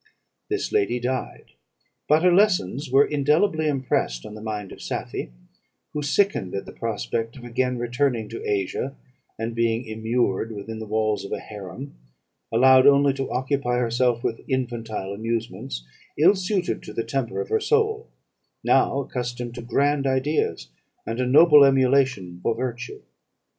This lady died; but her lessons were indelibly impressed on the mind of Safie, who sickened at the prospect of again returning to Asia, and being immured within the walls of a haram, allowed only to occupy herself with infantile amusements, ill suited to the temper of her soul, now accustomed to grand ideas and a noble emulation for virtue.